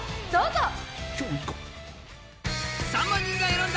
どうぞ！